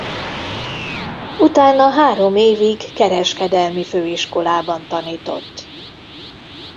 Utána három évig kereskedelmi főiskolában tanított.